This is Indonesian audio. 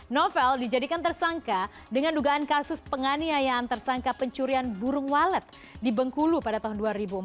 novel dijadikan tersangka dengan dugaan kasus penganiayaan tersangka pencurian burung walet di bengkulu pada tahun dua ribu empat